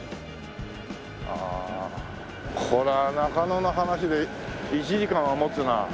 これは中野の話で１時間は持つな。